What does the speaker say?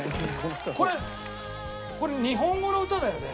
これこれ日本語の歌だよね？